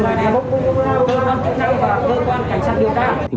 cơ quan cảnh sát điều tra